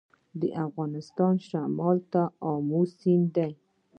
د افغانستان شمال ته امو سیند دی